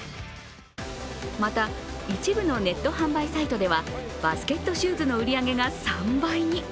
また、一部のネット販売サイトではバスケットシューズの売り上げが３倍に。